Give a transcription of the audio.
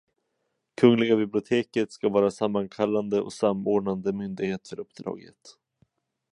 Kungliga biblioteket ska vara sammankallande och samordnande myndighet för uppdraget.